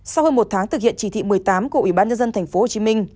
sau hơn một tháng thực hiện chỉ thị một mươi tám của ủy ban nhân dân tp hcm